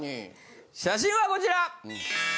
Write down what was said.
写真はこちら！